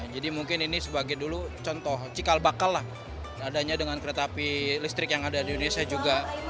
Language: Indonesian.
jadi mungkin ini sebagai dulu contoh cikal bakal lah adanya dengan kereta api listrik yang ada di indonesia juga